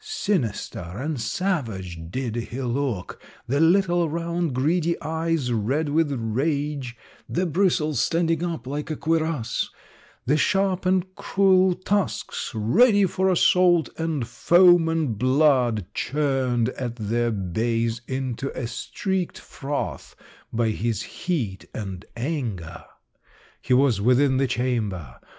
Sinister and savage did he look, the little, round greedy eyes red with rage, the bristles standing up like a cuirass, the sharp and cruel tusks ready for assault, and foam and blood churned at their base into a streaked froth by his heat and anger. He was within the chamber.